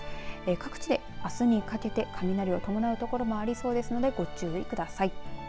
各地であすにかけて雷を伴う所もありそうですのでご注意ください。